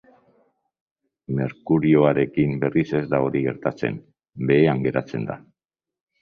Merkurioarekin berriz ez da hori gertatzen, behean geratzen da.